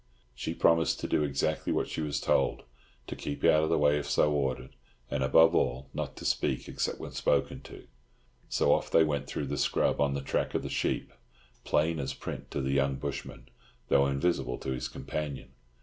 She promised to do exactly what she was told, to keep out of the way if so ordered, and, above all, not to speak except when spoken to. So off they went through the scrub on the track of the sheep, plain as print to the young bushman, though invisible to his companion.